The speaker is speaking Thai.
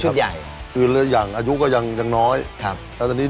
ชุดใหญ่คืออย่างอายุก็ยังยังน้อยครับแล้วดังนี้